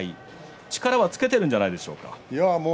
力はつけているんじゃないですか。